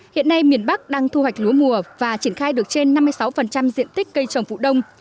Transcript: hiện nay miền bắc đang thu hoạch lúa mùa và triển khai được trên năm mươi sáu diện tích cây trồng vụ đông